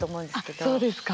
あっそうですか。